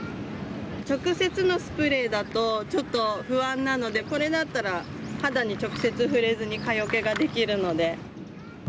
直接のスプレーだとちょっと不安なので、これだったら、肌に直接触れずに、蚊よけができるので。